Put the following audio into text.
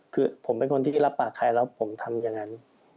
คือผมเป็นคนที่รับปากใครแล้วผมทำอย่างนั้น